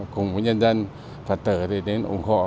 cùng với nhân dân phật tử thì đến ủng hộ